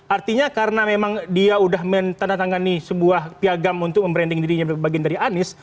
artinya karena memang dia sudah menandatangani sebuah piagam untuk membranding dirinya bagian dari anies